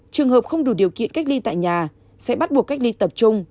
trường hợp không đủ điều kiện cách ly tại nhà sẽ bắt buộc cách ly tập trung